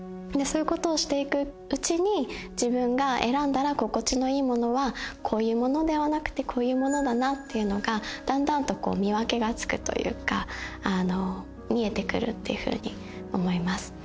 そういうことをしていくうちに自分が選んだら心地のいいものはこういうものではなくてこういうものだなっていうのがだんだんと見分けがつくというか見えてくるっていうふうに思います。